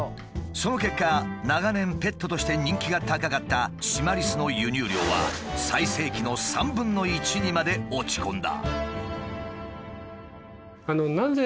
その結果長年ペットとして人気が高かったシマリスの輸入量は最盛期の３分の１にまで落ち込んだ。